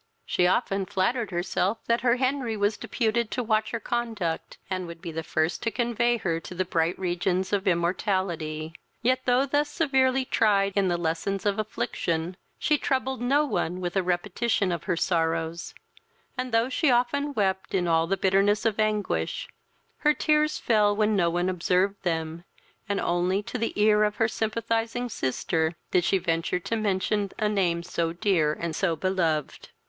She often flattered herself that her Henry was deputed to watch her conduct, and would be the first to convey her to the bright regions of immortality; yet, though thus severely tried in the lessons of affliction, she troubled no one with a repetion of her sorrows; and, though she often wept in all the bitterness of anguish, her tears fell when no one observed them, and only to the ear of her sympathizing sister did she venture to mention a name so dear and so beloved.